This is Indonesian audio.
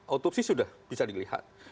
otopsi sudah bisa dilihat